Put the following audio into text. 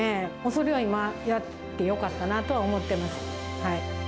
それは今、やってよかったなと思っています。